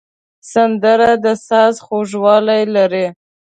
سندره د ساز خوږوالی لري